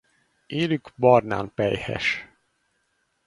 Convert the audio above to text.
Élük barnán pelyhes.